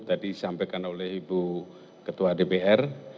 tadi disampaikan oleh ibu ketua dpr